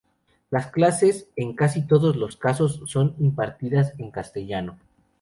Las clases, en casi todos los casos, son impartidas en castellano.